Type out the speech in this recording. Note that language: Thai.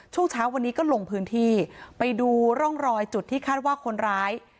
ช่วงเช้าวันนี้ก็ลงพื้นที่ไปดูร่องรอยจุดที่คาดว่าคนร้าย